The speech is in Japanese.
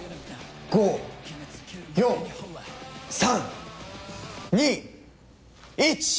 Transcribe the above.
５４３２１！